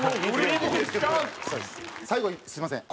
最後にすみません。